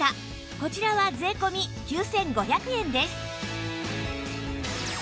こちらは税込９５００円です